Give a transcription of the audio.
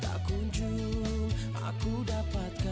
tak kunjung aku dapatkan